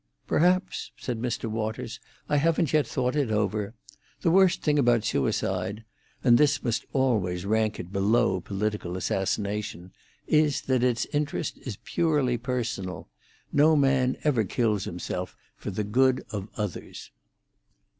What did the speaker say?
"Perhaps," said Mr. Waters; "I haven't yet thought it over. The worst thing about suicide—and this must always rank it below political assassination—is that its interest is purely personal. No man ever kills himself for the good of others."